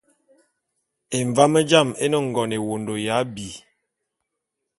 Emvám jām é ne ngon ewondo ya abi.